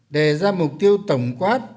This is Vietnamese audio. để ra mục tiêu tổng quát